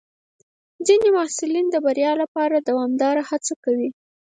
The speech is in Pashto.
ځینې محصلین د بریا لپاره دوامداره هڅه کوي.